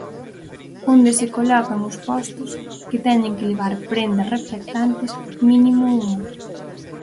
Onde se colocan os postos, que teñen que levar prendas reflectantes, mínimo unha.